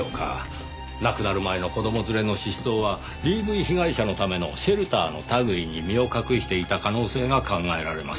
亡くなる前の子供連れの失踪はＤＶ被害者のためのシェルターの類いに身を隠していた可能性が考えられます。